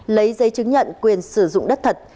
lấy giấy chứng nhận quyền sử dụng đất thật